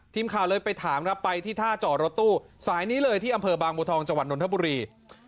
ทีมค่าเลยไปถามไปที่ท่าจอรถตู้สายนี้เลยที่อำเภอบางบุทองจนธบุรี